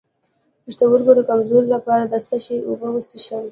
د پښتورګو د کمزوری لپاره د څه شي اوبه وڅښم؟